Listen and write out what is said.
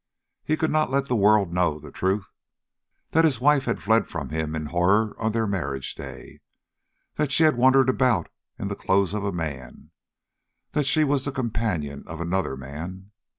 He could not let the world know the truth that his wife had fled from him in horror on their marriage day, that she had wondered about in the clothes of a man, that she was the companion of another man.